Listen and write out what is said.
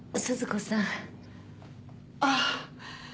ああ。